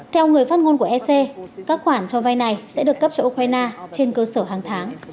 theo người phát ngôn của ec các khoản cho vay này sẽ được cấp cho ukraine trên cơ sở hàng tháng